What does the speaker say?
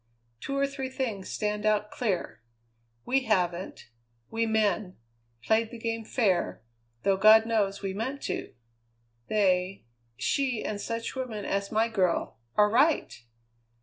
Two or three things stand out clear. We haven't, we men, played the game fair, though God knows we meant to. They she and such women as my girl are right!